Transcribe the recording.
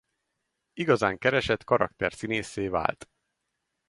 Igazán keresett karakterszínésszé vált.